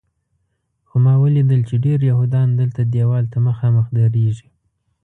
خو ما ولیدل چې ډېر یهودیان دلته دیوال ته مخامخ درېږي.